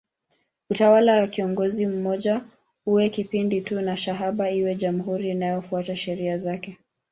Utawala wa kiongozi mmoja uwe kipindi tu na shabaha iwe jamhuri inayofuata sheria zake.